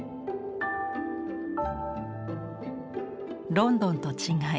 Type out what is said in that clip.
ロンドンと違い